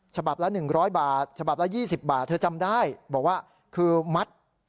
ฉบับละหนึ่งร้อยบาทฉบับละยี่สิบบาทเธอจำได้บอกว่าคือมัด